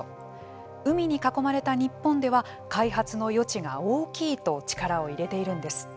海に囲まれた日本では開発の余地が大きいと力を入れているんです。